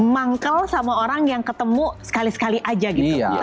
mangkle sama orang yang ketemu sekali sekali aja gitu